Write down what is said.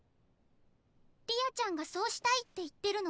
理亞ちゃんがそうしたいって言ってるの？